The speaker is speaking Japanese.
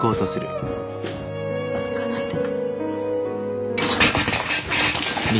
行かないで。